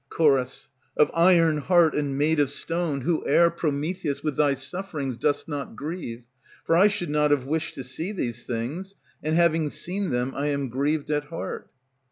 Ch. Of iron heart and made of stone, Whoe'er, Prometheus, with thy sufferings Does not grieve; for I should not have wished to see These things, and having seen them I am grieved at heart.